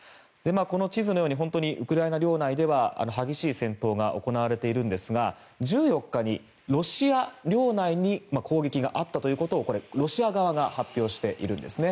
この地図のように本当にウクライナ領内では激しい戦闘が行われているんですが１４日にロシア領内に攻撃があったということをロシア側が発表しているんです。